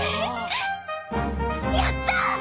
やった！